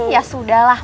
ya sudah lah